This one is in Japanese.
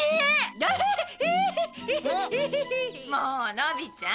もうのびちゃん。